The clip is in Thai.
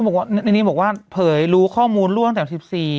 คนนี้บอกว่าเผยรู้ข้อมูลล่วนตั้งแต่๑๔